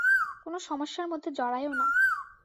কোনো সমস্যার মধ্যে জড়ায়ো না।